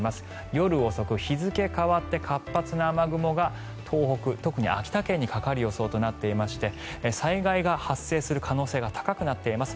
夜遅く、日付変わって活発な雨雲が東北、特に秋田県にかかる予想となっていまして災害が発生する可能性が高くなっています。